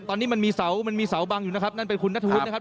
ตอนนี้มันมีเสามันมีเสาบังอยู่นะครับนั่นเป็นคุณนัทวุฒินะครับ